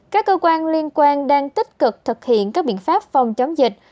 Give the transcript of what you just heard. các cơ quan liên quan đang tích cực thực hiện các biện pháp phòng chống dịch